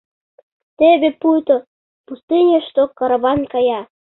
Теве пуйто пустыньышто караван кая.